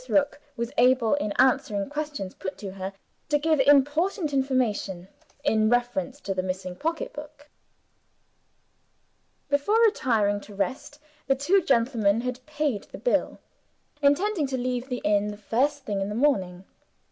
Rook was able, in answering questions put to her, to give important information, in reference to the missing pocketbook. Before retiring to rest, the two gentlemen had paid the bill intending to leave the inn the first thing in the morning.